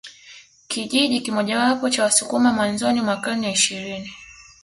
Kijiji kimojawapo cha Wasukuma mwanzoni mwa karne ya ishirini